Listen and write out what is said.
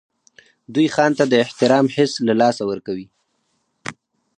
دوی ځان ته د احترام حس له لاسه ورکوي.